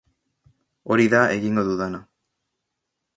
Hori da egingo dudana.